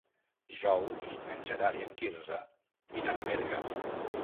Dijous en Gerard i en Quirze iran a Berga.